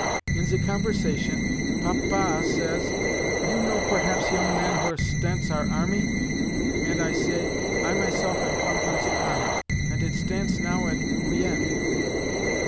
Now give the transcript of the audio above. In ze conversation Papa says, 'You know, perhaps, yong man, where stants our army?' and I say, 'I myself am come from ze army, ant it stants now at Wien.